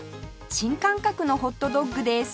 新感覚のホットドッグです